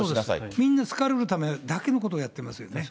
みんな好かれるためだけのことをやってますよね。